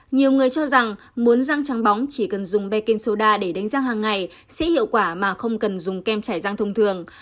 nhiều người cho rằng muốn răng trắng bóng chỉ cần dùng beking soda để đánh răng hàng ngày sẽ hiệu quả mà không cần dùng kem trải răng thông thường